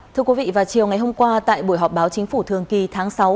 thưa quý vị vào chiều ngày hôm qua tại buổi họp báo chính phủ thường kỳ tháng sáu